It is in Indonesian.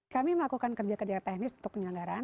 kami melakukan kerja kerja teknis untuk penyelenggaraan